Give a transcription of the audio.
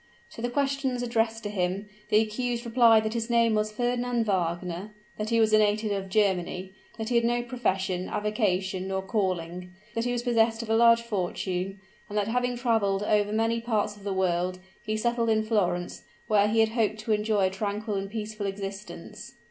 To the questions addressed to him, the accused replied that his name was Fernand Wagner; that he was a native of Germany; that he had no profession, avocation nor calling; that he was possessed of a large fortune; and that having traveled over many parts of the world, he settled in Florence, where he had hoped to enjoy a tranquil and peaceful existence.